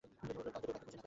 যদি কালকেও খুঁজে না পান?